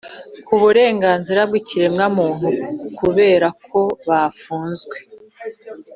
ku Burengazira bw Ikiremwamuntu kubera ko bafunzwe